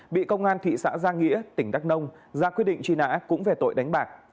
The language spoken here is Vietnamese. bị công an thị xã giang nghĩa tỉnh đắk nông ra quyết định truy nã cũng về tội đánh bạc